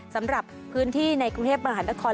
สำหรับพื้นที่ในกรุงเทพฯบริหารทะคอน